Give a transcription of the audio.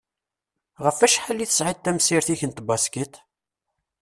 Ɣef acḥal i tesɛiḍ tamsirt-ik n tbaskit?